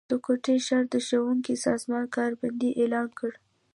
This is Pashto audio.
د کوټي ښار د ښونکو سازمان کار بندي اعلان کړه